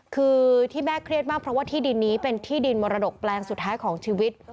คือที่แม่เครียดมากเพราะว่าที่ดินนี้เป็นที่ดินมรดกแปลงสุดท้ายของชีวิต